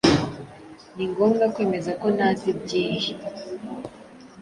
Ningombwa kwemeza ko ntazi byinhi